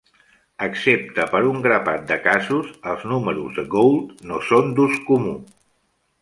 Excepte per un grapat de casos, els números de Gould no són d'ús comú.